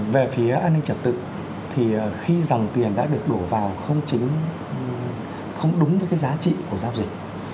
về phía an ninh trật tự thì khi dòng tiền đã được đổ vào không chính không đúng với cái giá trị của giao dịch